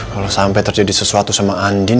kalo sampe terjadi sesuatu sama andin